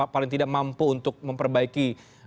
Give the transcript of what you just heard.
paling tidak mampu untuk memperbaiki